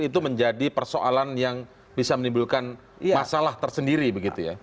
itu menjadi persoalan yang bisa menimbulkan masalah tersendiri begitu ya